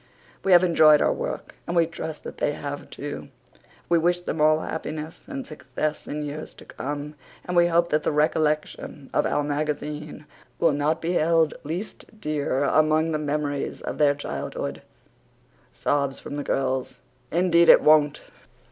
We have enjoyed our work and we trust that they have too. We wish them all happiness and success in years to come, and we hope that the recollection of Our Magazine will not be held least dear among the memories of their childhood. (SOBS FROM THE GIRLS): "INDEED IT WON'T!"